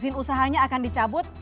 izin usahanya akan dicabut